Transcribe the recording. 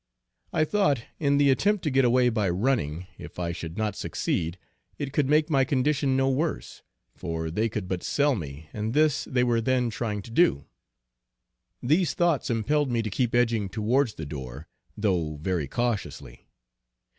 I thought in the attempt to get away by running, if I should not succeed, it could make my condition no worse, for they could but sell me and this they were then trying to do. These thoughts impelled me to keep edging towards the door, though very cautiously.